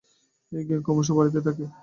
এই জ্ঞান ক্রমশ বাড়িতে থাকে।